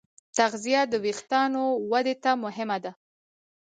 تغذیه د وېښتیانو ودې ته مهمه ده.